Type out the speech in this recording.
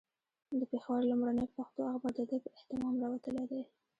د پېښور لومړنی پښتو اخبار د ده په اهتمام راوتلی دی.